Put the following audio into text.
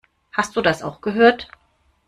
Hast du das auch gehört?